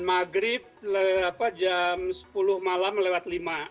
maghrib jam sepuluh malam lewat lima